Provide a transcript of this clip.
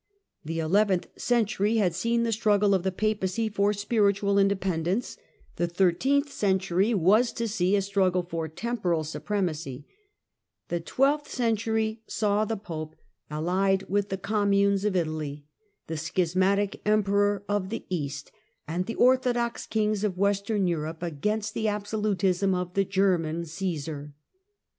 The eleventh century had seen the struggle of the Papacy for spiritual independence, the thirteenth century was to see a struggle for temporal supremacy : the twelfth century saw the Pope allied with the com 160 THE CENTRAL PERIOD OF THE MIDDLE AGE munes of Italy, the schismatic Emperor of the East and the orthodox kings of Western Europe against the absolutism of the " German Caesar."